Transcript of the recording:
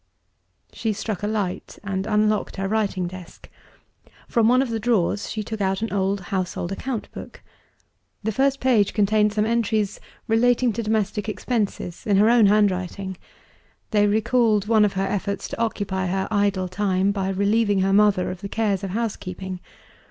She struck a light, and unlocked her writing desk. From one of the drawers she took out an old household account book. The first page contained some entries, relating to domestic expenses, in her own handwriting. They recalled one of her efforts to occupy her idle time, by relieving her mother of the cares of housekeeping.